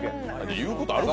言うことあるか？